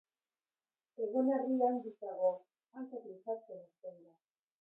Egonarri handiz dago, hankak luzatzen hasten da.